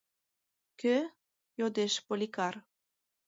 — Кӧ? — йодеш Поликар.